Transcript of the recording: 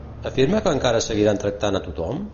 Afirma que encara seguiran tractant a tothom?